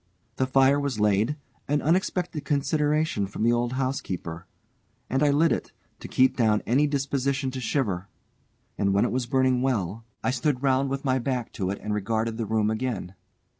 The fire was laid, an unexpected consideration from the old housekeeper, and I lit it, to keep down any disposition to shiver, and when it was burning well, I stood round with my back to it and regarded the room again.